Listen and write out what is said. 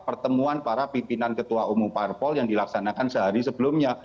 pertemuan para pimpinan ketua umum parpol yang dilaksanakan sehari sebelumnya